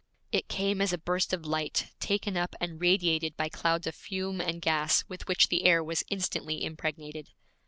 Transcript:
It came as a burst of light taken up and radiated by clouds of fume and gas with which the air was instantly impregnated.